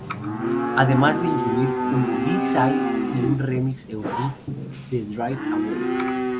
Además de incluir un b-side y un remix eurobeat de Drive Away.